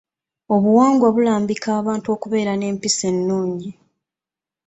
Obuwangwa bulambika abantu okubeera n'empisa ennungi.